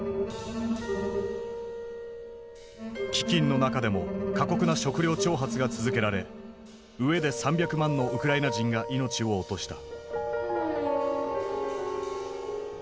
飢饉の中でも過酷な食糧徴発が続けられ飢えで３００万のウクライナ人が命を落とした。